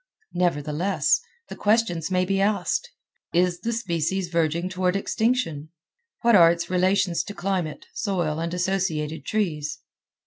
Nevertheless, the questions may be asked: Is the species verging toward extinction? What are its relations to climate, soil, and associated trees?